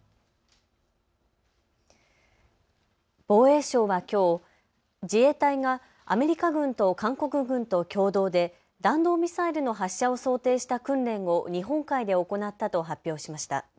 防衛省はきょう、自衛隊がアメリカ軍と韓国軍と共同で弾道ミサイルの発射を想定した訓練を日本海で行ったと発表しました。